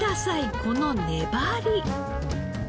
この粘り。